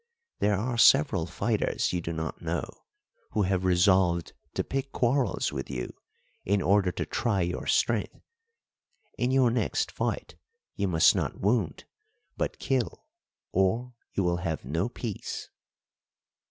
There are several fighters you do not know, who have resolved to pick quarrels with you in order to try your strength. In your next fight you must not wound, but kill, or you will have no peace."